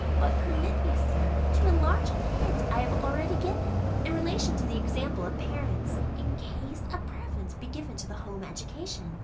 But permit me, Sir, to enlarge on the hint I have already given, in relation to the example of parents, in case a preference be given to the home education.